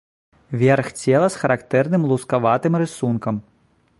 Верх цела з характэрным лускаватым рысункам.